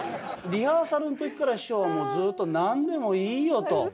リハーサルの時から師匠はもうずっと「何でもいいよ」と。